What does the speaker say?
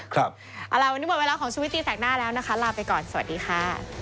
เอาล่ะวันนี้หมดเวลาของชุวิตตีแสกหน้าแล้วนะคะลาไปก่อนสวัสดีค่ะ